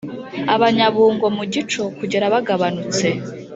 abanyabungo mugico kugera bagabanutse.